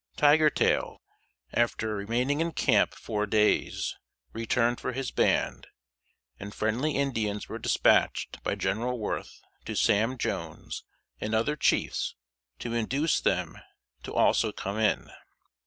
Tiger tail, after remaining in camp four days, returned for his band; and friendly Indians were dispatched by General Worth to Sam Jones and other chiefs to induce them also to come in.